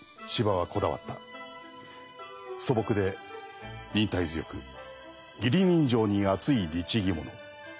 素朴で忍耐強く義理人情にあつい律義者。